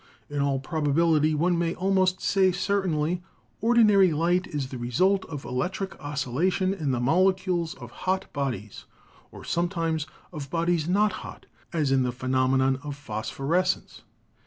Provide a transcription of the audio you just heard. In all prob ability — one may almost say certainly — ordinary light is the result of electric oscillation in the molecules of hot bodies, or sometimes of bodies not hot — as in the phenome non of phosphorescence.